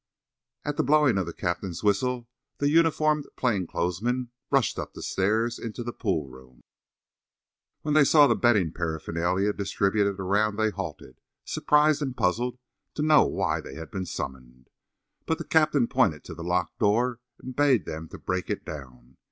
At the blowing of the captain's whistle the uniformed plain clothes men rushed up the stairs into the pool room. When they saw the betting paraphernalia distributed around they halted, surprised and puzzled to know why they had been summoned. But the captain pointed to the locked door and bade them break it down.